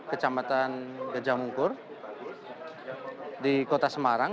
kecamatan gejamungkur di kota semarang